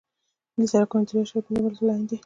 ملي سرکونه درې اعشاریه پنځه متره لاین لري